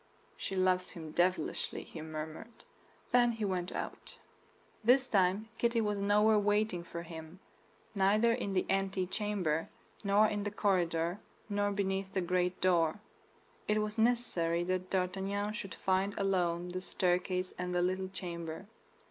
"She loves him devilishly," he murmured. Then he went out. This time Kitty was nowhere waiting for him; neither in the antechamber, nor in the corridor, nor beneath the great door. It was necessary that D'Artagnan should find alone the staircase and the little chamber.